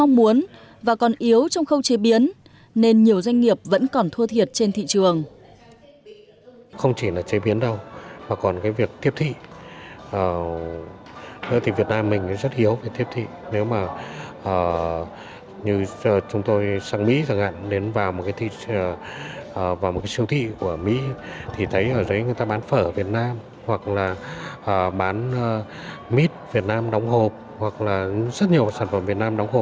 không mong muốn và còn yếu trong khâu chế biến nên nhiều doanh nghiệp vẫn còn thua thiệt trên thị trường